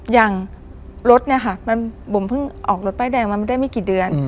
อย่างรถเนี่ยค่ะบุ๋มเพิ่งออกรถป้ายแดงมาได้ไม่กี่เดือน